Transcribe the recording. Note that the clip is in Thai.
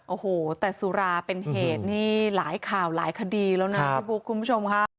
โอ้โหแต่สุราเป็นเหตุนี่หลายข่าวหลายคดีแล้วนะพี่บุ๊คคุณผู้ชมค่ะ